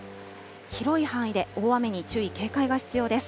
広い範囲で大雨に注意、警戒が必要です。